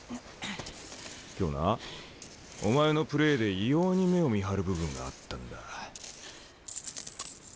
今日なお前のプレーで異様に目をみはる部分があったんだ。